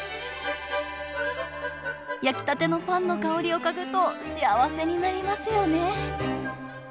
焼きたてのパンの香りを嗅ぐと幸せになりますよね